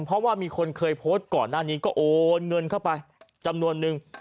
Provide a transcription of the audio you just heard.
เพราะว่ามีคนเคยโพสต์ก่อนหน้านี้ก็โอนเงินเข้าไปจำนวนนึง